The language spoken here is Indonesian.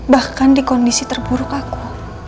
bahkan di kondisi terburuk aku